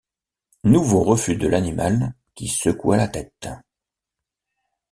Nouveau refus de l’animal, qui secoua la tête.